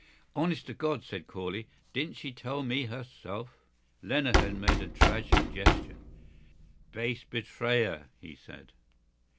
"Honest to God!" said Corley. "Didn't she tell me herself?" Lenehan made a tragic gesture. "Base betrayer!" he said.